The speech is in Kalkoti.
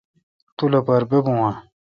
تو لوپار ییبو اؘ۔